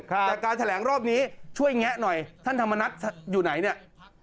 แต่การแถลงรอบนี้ช่วยแงะหน่อยท่านธรรมนัฐอยู่ไหนเนี่ย